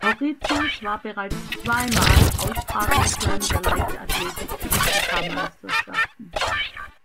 Mauritius war bereits zweimal Austragungsland der Leichtathletik-Afrikameisterschaften.